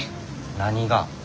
何が？